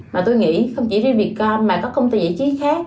mà tôi nghĩ không chỉ riêng vietcom mà các công ty giải trí khác